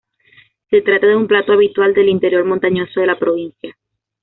Se trata de un plato habitual del interior montañoso de la provincia.